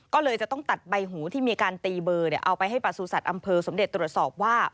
ก็เลยจะต้องตัดใบหูที่มีการตีเบอร์เอาไปให้ประสูจัตว์อำเภอสมเด็จตรวจสอบว่า